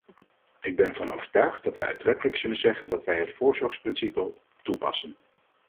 Ik ben ervan overtuigd dat wij uitdrukkelijk zullen zeggen dat wij het voorzorgsprincipe toepassen.